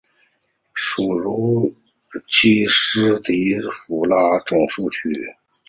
属茹伊斯迪福拉总教区。